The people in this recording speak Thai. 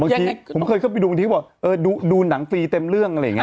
บางทีผมเคยเข้าไปดูบางทีก็บอกเออดูหนังฟรีเต็มเรื่องอะไรอย่างนี้